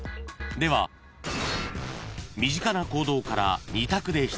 ［では身近な行動から２択で出題］